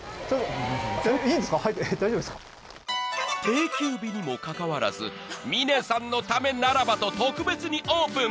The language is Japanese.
［定休日にもかかわらず峰さんのためならばと特別にオープン］